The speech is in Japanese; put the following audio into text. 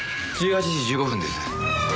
１８時１５分です。